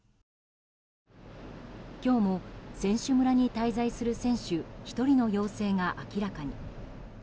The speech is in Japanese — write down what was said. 今日も選手村に滞在する選手１人の陽性が明らかに。